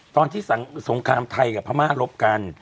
ตอนที่สงครามไทยกับพม่ารบกัน